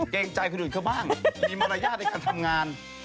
เกรงใจคนอื่นเขาบ้างมีมารยาทในการทำงาน